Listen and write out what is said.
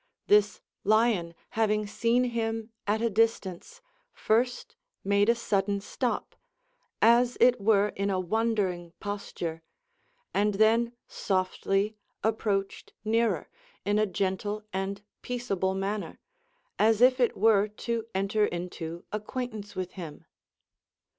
This lion having seen him at a distance first made a sudden stop, as it were in a wondering posture, and then softly approached nearer in a gentle and peaceable manner, as if it were to enter into acquaintance with him.